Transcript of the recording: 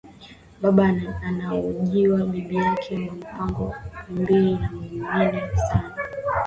Baba anaujiya bibi yaka ma mpango mbiri ya munene sana